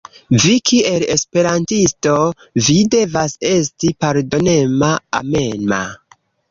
Vi kiel esperantisto, vi devas esti pardonema, amema.